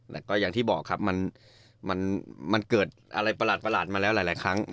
แล้วก็อย่างที่บอกครับมันเกิดอะไรประหลาดมาแล้วหลายครั้ง